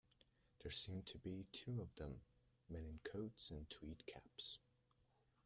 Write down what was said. There seemed to be two of them, men in coats and tweed caps.